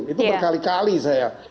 itu berkali kali saya